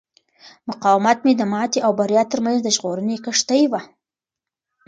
مقاومت مې د ماتې او بریا ترمنځ د ژغورنې کښتۍ وه.